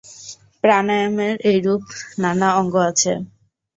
প্রাণায়ামের এইরূপ নানা অঙ্গ আছে।